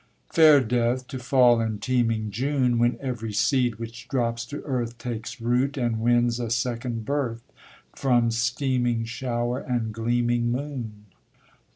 Fair death, to fall in teeming June, When every seed which drops to earth Takes root, and wins a second birth From steaming shower and gleaming moon.